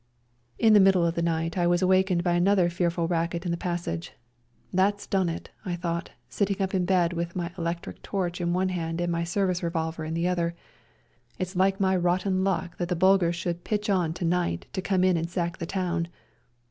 In the middle of the night I was awakened by another fearful racket in the passage. " That's done it," I thought, sitting up in bed with my electric torch in one hand and my service revolver in the other, " it's like my rotten luck that the Bulgars should pitch on to night to 10 REJOINING THE SERBIANS •come in and sack the town."